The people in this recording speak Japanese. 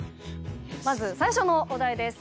まず最初のお題です。